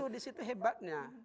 di situ hebatnya